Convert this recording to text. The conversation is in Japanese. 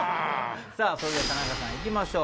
それでは田中さんいきましょう。